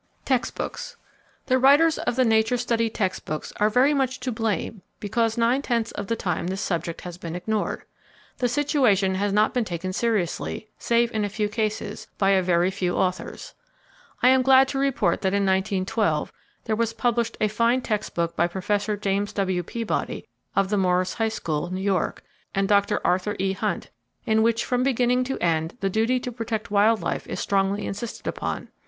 Text Books. —The writers of the nature study text books are very much to blame because nine tenths of the time this subject has been ignored. The situation has not been taken seriously, save in a few cases, by a very few authors. I am glad to report that in 1912 there was published a fine text book by Professor James W. Peabody, of the Morris High School, New York, and Dr. Arthur E. Hunt, in which from beginning to end the duty to protect wild life is strongly insisted upon.